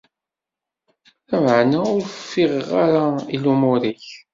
Lameɛna ur ffiɣeɣ ara i lumuṛ-ik.